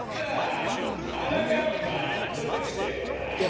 はなかっぱちょっときてごらん。